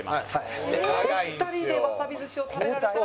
お二人でワサビ寿司を食べられたら。